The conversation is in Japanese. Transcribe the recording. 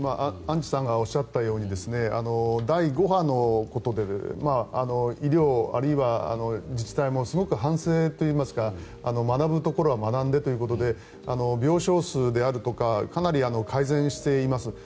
アンジュさんがおっしゃったように第５波のことで医療、あるいは自治体もすごく反省といいますか学ぶところは学んでということで病床数であるとかはかなり改善しています。